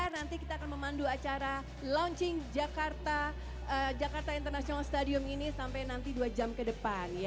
nanti kita akan memandu acara launching jakarta international stadium ini sampai nanti dua jam ke depan